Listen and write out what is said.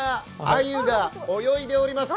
あゆが泳いでおります。